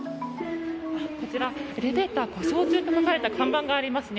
こちらエレベーター故障中と書かれた看板がありますね。